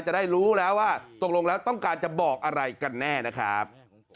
จะได้รู้แล้วว่าตกลงแล้วต้องการจะบอกอะไรกันแน่นะครับ